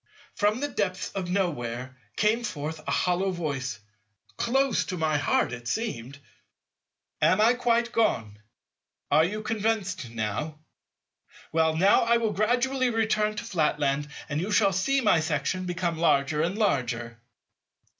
For from the depths of nowhere came forth a hollow voice—close to my heart it seemed—"Am I quite gone? Are you convinced now? Well, now I will gradually return to Flatland and you shall see my section become larger and larger."